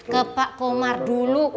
ke pak komar dulu